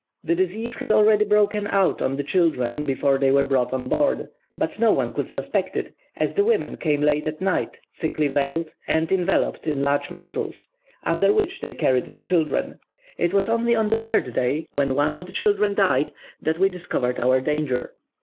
The disease had already broken out on the children before they were brought on board; but no one could suspect it, as the women came late at night, thickly veiled, and enveloped in large mantles, under which they carried the children. It was only on the third day, when one of the children died, that we discovered our danger.